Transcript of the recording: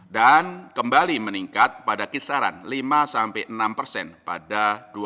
dan kembali meningkat pada kisaran lima enam persen pada dua ribu dua puluh satu